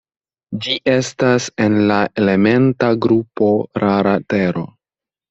Ĝi estas en la elementa grupo "rara tero".